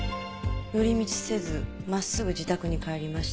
寄り道せず真っすぐ自宅に帰りました。